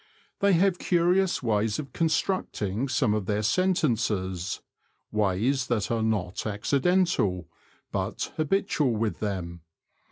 They have curious ways of constructing some of their sentences — ways that are not accidental, but habitual with them.